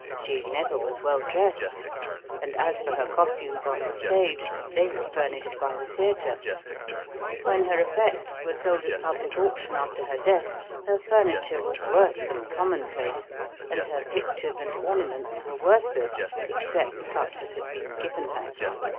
She never was well dressed; and as for her costumes on the stage, they were furnished by the theater. When her effects were sold at public auction after her death her furniture was worse than commonplace, and her pictures and ornaments were worthless, except such as had been given her.